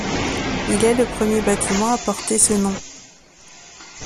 Il est le premier bâtiment à porter ce nom.